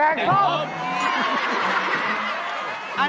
โอ้นี่